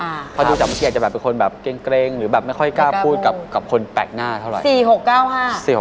พอดูจากเชียร์จะแบบเป็นคนแบบเกร็งหรือแบบไม่ค่อยกล้าพูดกับคนแปลกหน้าเท่าไหร่